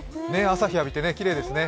朝日浴びてきれいですね。